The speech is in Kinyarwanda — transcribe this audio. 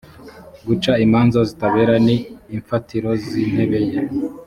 guca imanza zitabera ni imfatiro z’intebe ye